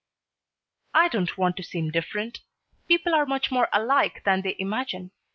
"I don't want to seem different. People are much more alike than they imagine.